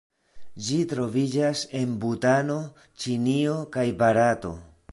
Ĝi troviĝas en Butano, Ĉinio kaj Barato.